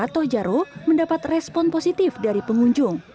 tari rato jaro mendapat respon positif dari pengunjung